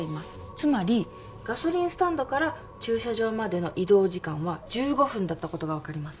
つまりガソリンスタンドから駐車場までの移動時間は１５分だったことが分かります